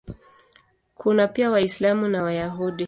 Kuna pia Waislamu na Wayahudi.